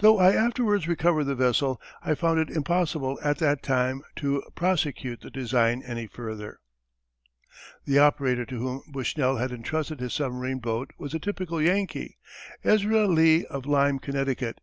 Though I afterwards recovered the vessel, I found it impossible at that time to prosecute the design any farther. The operator to whom Bushnell had entrusted his submarine boat was a typical Yankee, Ezra Lee of Lyme, Connecticut.